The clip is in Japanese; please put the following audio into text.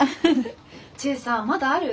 知恵さんまだある？